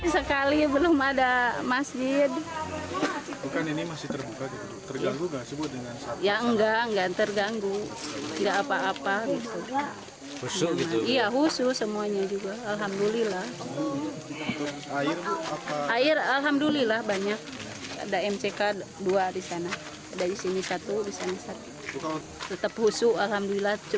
sekali belum ada masjid